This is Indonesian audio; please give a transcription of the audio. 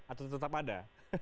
atau tetap ada